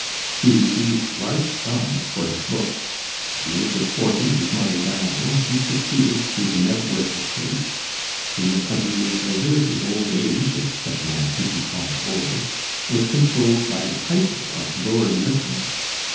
He received large sums for his books; at the age of forty, his mother dying, he succeeded to the Knebworth estate; three and twenty years later his old age (if such a man could be called old) was consoled by the title of Lord Lytton.